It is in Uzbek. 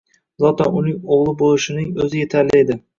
Zotan, uning o'g'li bo'lishining o'zi yetarli edi.